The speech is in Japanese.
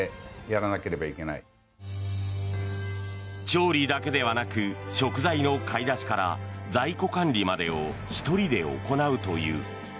調理だけではなく食材の買い出しから在庫管理までを１人で行うという。